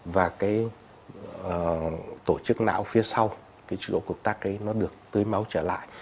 và cái tổ chức não phía sau cái chỗ cuộc tác đấy nó được tưới máu trở lại